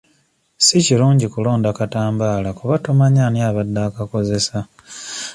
Si kirungi kulonda katambaala kuba tomanyi ani abadde akakozesa.